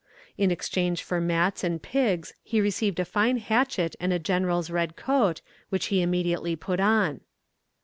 In exchange for mats and pigs he received a fine hatchet and a general's red coat, which he immediately put on.